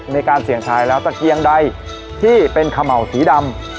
มีการเสี่ยงทายแล้วตะเคียงใดที่เป็นเขม่าวสีดำ